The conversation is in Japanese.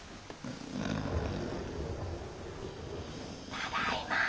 ただいま。